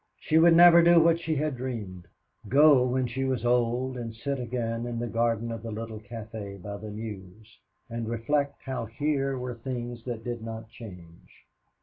She would never do what she had dreamed go when she was old and sit again in the garden of the little café by the Meuse, and reflect how here were things that did not change.